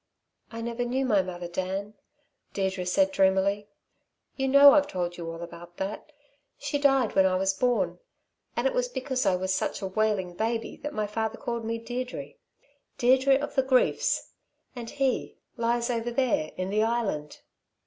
"I never knew my mother, Dan," Deirdre said dreamily. "You know, I've told you all about that. She died when I was born and it was because I was such a wailing baby, that my father called me Deirdre Deirdre of the griefs. And he lies over there in the Island."